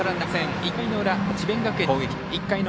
１回の裏、奈良・智弁学園の攻撃。